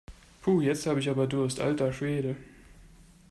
Puh, jetzt habe ich aber Durst, alter Schwede!